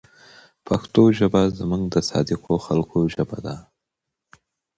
پښتو ژبه زموږ د صادقو خلکو ژبه ده.